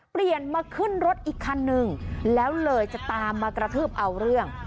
เปลี่ยนมาขึ้นรถอีกคันนึงแล้วเลยจะตามมากระทืบเอาเรื่อง